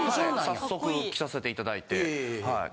早速着させていただいてはい。